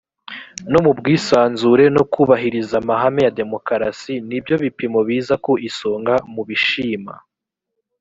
no mu bwisanzure no kubahirizaamahame ya demokarasi nibyo bipimo biza ku isonga mu bishimwa